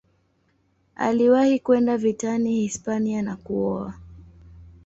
Aliwahi kwenda vitani Hispania na kuoa.